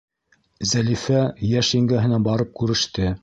Зәлифә йәш еңгәһенә барып күреште.